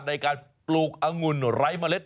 ในการปลูกอังุ่นไร้เมล็ด